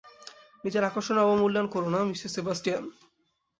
নিজের আকর্ষণের অবমূল্যায়ন কোরো না, মিসেস সেবাস্টিয়ান।